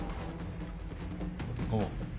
おう。